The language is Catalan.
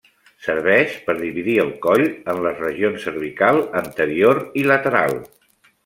Serveix per dividir el coll en les regions cervical anterior i lateral.